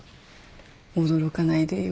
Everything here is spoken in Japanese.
驚かないでよ。